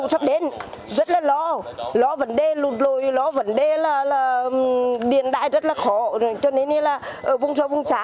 rất là lo lo vấn đề lụt lùi lo vấn đề là điện đại rất là khó cho nên là ở vùng xóa vùng xá